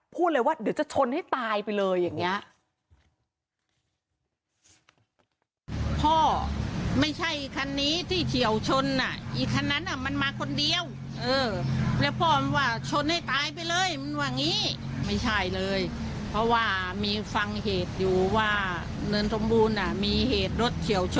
พูดเลยว่าเดี๋ยวจะชนให้ตายไปเลยอย่างนี้